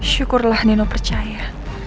syukurlah nino percaya